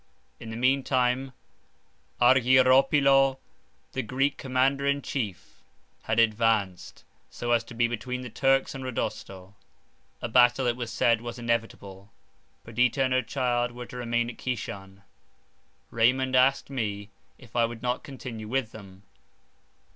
In the meantime, Argyropylo, the Greek commander in chief, had advanced, so as to be between the Turks and Rodosto; a battle, it was said, was inevitable. Perdita and her child were to remain at Kishan. Raymond asked me, if I would not continue with them.